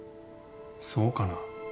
そうかな？